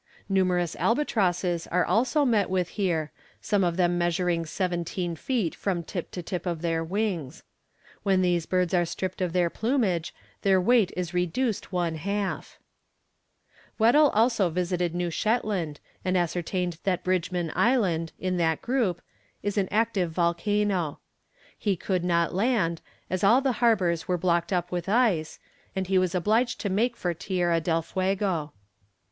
Numerous albatrosses are also met with here, some of them measuring seventeen feet from tip to tip of their wings. When these birds are stripped of their plumage their weight is reduced one half. [Illustration: "Here congregate flocks of penguins."] Weddell also visited New Shetland, and ascertained that Bridgeman Island, in that group, is an active volcano. He could not land, as all the harbours were blocked up with ice, and he was obliged to make for Tierra del Fuego.